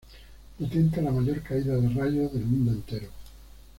Detenta la mayor caída de rayos del mundo entero.